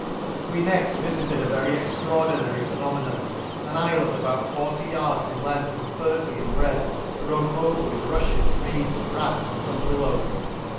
— We next vifited a very extraordinary phenomenon, an ifland about forty yards in length and thirty in breadth, grown over with rufhes, reeds, grafs, and fome willows.